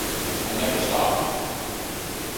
I never stop.